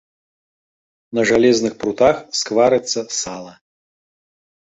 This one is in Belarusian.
На жалезных прутах скварыцца сала.